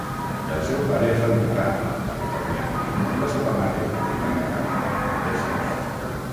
El seu pare és americà, californià, i la seva mare britànica, d'Essex.